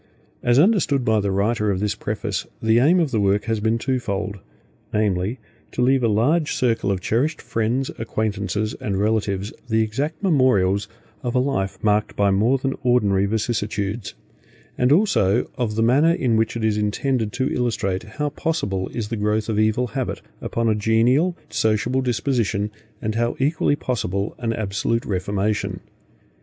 As understood by the writer of this preface, the aim of the work has been twofold, namely, to leave to a large circle of cherished friends, acquaintances, and relatives the exact memorials of a life marked by more than an ordinary vicissitudes; and also of the manner in which it is intended to illustrate how possible is the growth of evil habit, upon a genial, sociable disposition, and how equally possible an absolute reformation.